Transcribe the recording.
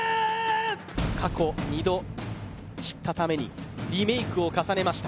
過去２度散ったためにリメークを重ねました。